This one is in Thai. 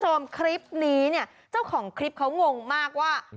คุณผู้ชมคลิปนี้เนี่ยเจ้าของคลิปเขางงมากว่า